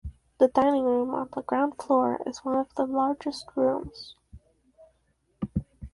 The dining room on the ground floor is one of the largest rooms.